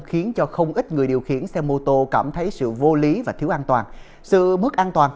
khiến cho không ít người điều khiển xe mô tô cảm thấy sự vô lý và thiếu an toàn